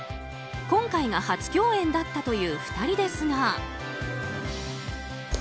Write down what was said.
今回が初共演だったという２人ですが。